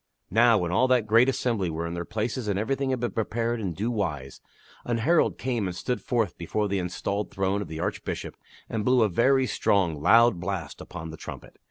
Now, when all that great assembly were in their places and everything had been prepared in due wise, an herald came and stood forth before the enstalled throne of the Archbishop and blew a very strong, loud blast upon a trumpet.